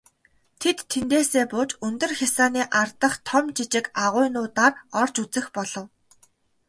Тэд тэндээсээ бууж өндөр хясааны ар дахь том жижиг агуйнуудаар орж үзэх болов.